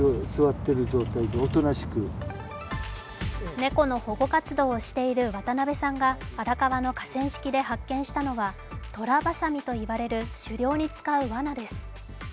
猫の保護活動をしている渡邉さんが荒川の河川敷で発見したのはトラバサミといわれる狩猟に使うわなです。